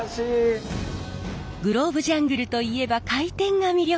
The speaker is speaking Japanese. グローブジャングルといえば回転が魅力。